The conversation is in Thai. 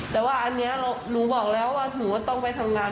แต่ว่าอันนี้หนูบอกแล้วว่าหนูก็ต้องไปทำงาน